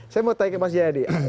saya mau tanya ke mas jayadi